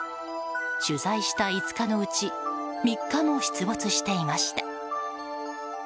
取材した５日のうち３日も出没していました。